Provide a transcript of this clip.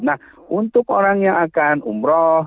nah untuk orang yang akan umroh